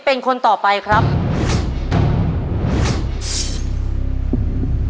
ขอเชิญแม่จำรูนขึ้นมาต่อชีวิต